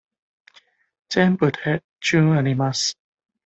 全部で十あります。